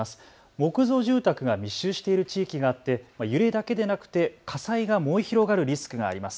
木造住宅が密集している地域があって揺れだけでなくて火災が燃え広がるリスクがあります。